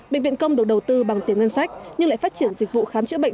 bệnh viện công được đầu tư bằng tiền ngân sách nhưng lại phát triển dịch vụ khám chữa bệnh